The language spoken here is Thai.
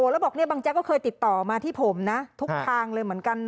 แล้วบอกเนี่ยบางแจ๊กก็เคยติดต่อมาที่ผมนะทุกทางเลยเหมือนกัน